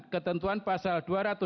ketentuan pasal dua ratus dua puluh dua